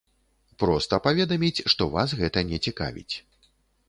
Проста паведаміць, што вас гэта не цікавіць.